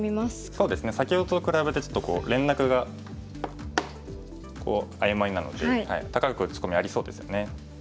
そうですね先ほどと比べてちょっと連絡がこう曖昧なので高く打ち込みありそうですよね。